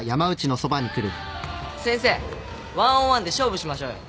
先生１オン１で勝負しましょうよ。